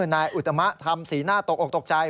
นายอุตมะทำสีหน้าตกออกตกใจ